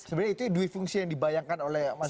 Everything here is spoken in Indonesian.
sebenarnya itu di difungsi yang dibayangkan oleh masyarakat